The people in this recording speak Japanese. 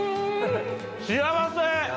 幸せ！